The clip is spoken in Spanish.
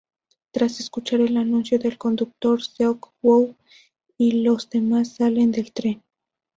Tras escuchar el anuncio del conductor, Seok-woo y los demás salen del tren.